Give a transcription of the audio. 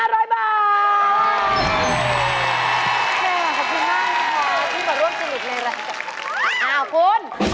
อ้าวคุณ